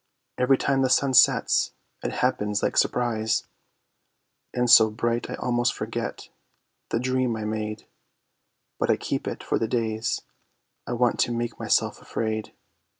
Every time the sun sets, it happens like surprise, And so bright, I almost forget the dream I made; But I keep it, for the days I want to make myself afraid.